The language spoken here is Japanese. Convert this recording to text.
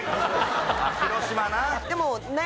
広島な。